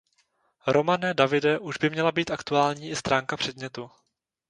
Romane, Davide, už by měla být aktuální i stránka předmětu.